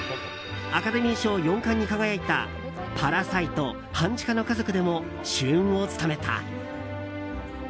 アカデミー賞４冠に輝いた「パラサイト半地下の家族」でも主演を務めた。